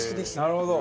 なるほど。